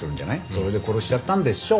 それで殺しちゃったんでしょう。